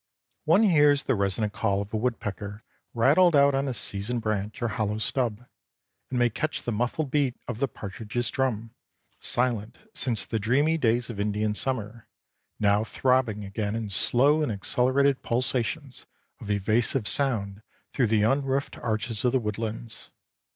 One hears the resonant call of a woodpecker rattled out on a seasoned branch or hollow stub, and may catch the muffled beat of the partridge's drum, silent since the dreamy days of Indian summer, now throbbing again in slow and accelerated pulsations of evasive sound through the unroofed arches of the woodlands.